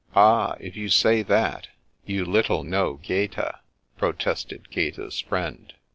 "Ah, if you say that, you little know Gaeta," pro tested Gaeta's friend.